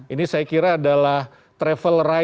ini saya kira adalah travel writing pertama